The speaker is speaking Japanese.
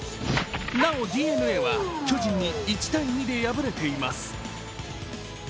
なおＤｅＮＡは巨人に１−２で敗れています。